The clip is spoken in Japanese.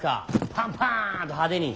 パンパンと派手に。